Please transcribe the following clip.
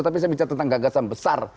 tapi saya bicara tentang gagasan besar